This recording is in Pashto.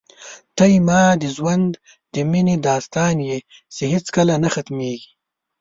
ته زما د ژوند د مینې داستان یې چې هېڅکله نه ختمېږي.